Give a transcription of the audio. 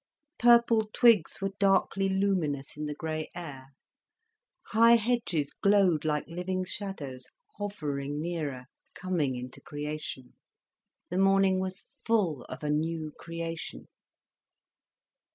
Purple twigs were darkly luminous in the grey air, high hedges glowed like living shadows, hovering nearer, coming into creation. The morning was full of a new creation.